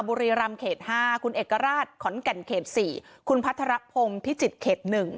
บุรีราม๕คุณเอกราชขอนแก่น๔คุณพัทรพงศ์พิจิตร๑